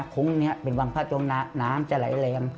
คุ้งเป็นวังผ้าจมน้ำจะไหลแรง